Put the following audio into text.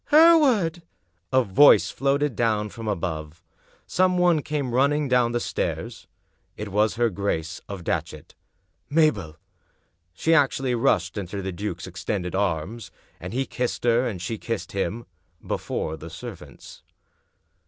" "HerewardI" A voice floated downward from above. Some one came running down the stairs. It was her Grace of Datchet. "Mabel!" She actually rushed into the duke's extended arms. And he kissed her, and she kissed him — ^before the servants.